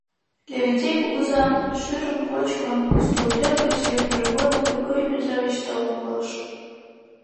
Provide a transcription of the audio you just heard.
Левентей кугызан, шӱрым кочкын, ӱстелтӧр гыч лекмыже годым Григорий Петрович толын пурыш.